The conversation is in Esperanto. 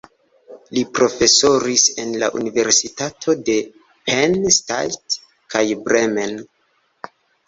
Li profesoris en la universitatoj de Penn State kaj Bremen.